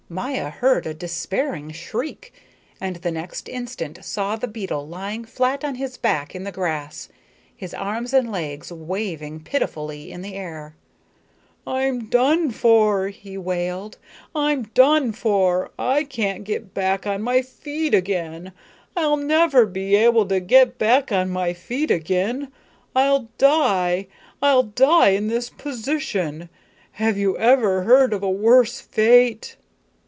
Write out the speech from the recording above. Maya heard a despairing shriek, and the next instant saw the beetle lying flat on his back in the grass, his arms and legs waving pitifully in the air. "I'm done for," he wailed, "I'm done for. I can't get back on my feet again. I'll never be able to get back on my feet again. I'll die. I'll die in this position. Have you ever heard of a worse fate!"